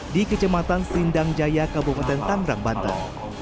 di kecematan sindang jaya kabupaten tangrak bantan